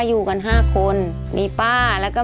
ขอเพียงคุณสามารถที่จะเอ่ยเอื้อนนะครับ